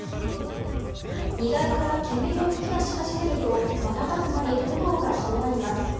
荷台から煙を噴き出し始めると瞬く間に炎が広がります。